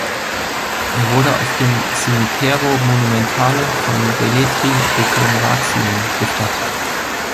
Er wurde auf dem "Cimitero Monumentale" von Velletri, Region Latium, bestattet.